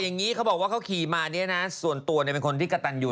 ต่อไปนะคะเขาบอกว่าเขากลับมาส่วนตัวเป็นคนกระตันอยู่